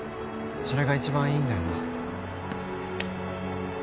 それが一番いいんだよな？